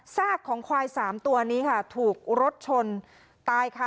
ซากของควายสามตัวนี้ค่ะถูกรถชนตายค่ะ